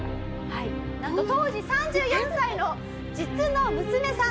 なんと当時３４歳の実の娘さん。